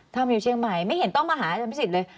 ทำอยู่เชียงใหม่ไม่เห็นต้องมาหาอาจารย์พิสิทธิเลย